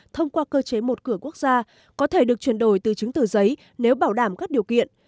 thông qua cơ chế một cửa quốc gia có thể được chuyển đổi từ chứng từ giấy nếu bảo đảm các điều kiện